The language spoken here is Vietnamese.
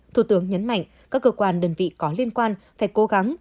thủ tướng nhấn mạnh các cơ quan đơn vị có liên quan phải cố gắng